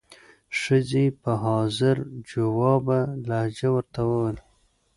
ښځې یې په حاضر جوابه لهجه ورته وویل.